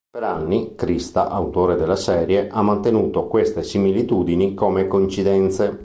Per anni, Christa, autore della serie, ha mantenuto queste similitudini come coincidenze.